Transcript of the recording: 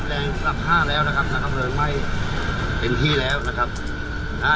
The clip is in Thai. แรงรับห้าแล้วนะครับนะครับเริ่มไม่เต็มที่แล้วนะครับอ่า